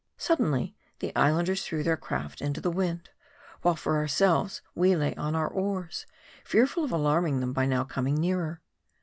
Suddenly, the Islanders threw their craft into the wind ; while, for ourselves, we lay on our oars, fearful of alarming them by now coming nearer.